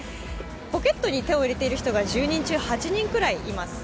ポケットに手を入れてる人が１０人中８人くらいいます。